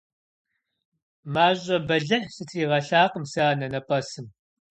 Мащӏэ бэлыхь стригъэлъакъым си анэнэпӏэсым.